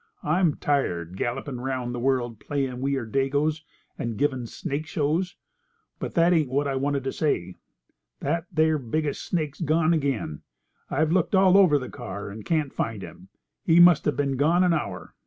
I'm tired gallopin' round the world playin' we are dagoes, and givin' snake shows. But that ain't what I wanted to say. That there biggest snake's gone again. I've looked all over the car and can't find him. He must have been gone an hour.